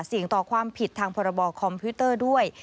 ต่อความผิดทางพรบคอมพิวเตอร์ด้วย